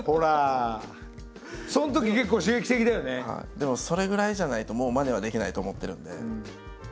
でもそれぐらいじゃないともうまねはできないと思ってるんで。